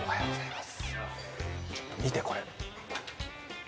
見て、これ。